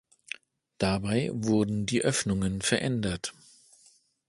Dabei wurden die Öffnungen verändert.